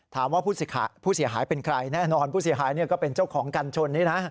ถามว่าผู้เสียหายเป็นใครแน่นอนผู้เสียหายก็เป็นเจ้าของกันชนนี่นะ